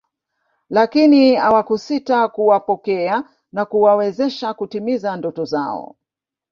Lakini awakusita kuwapokea na kuwawezesha kutimiza ndoto zao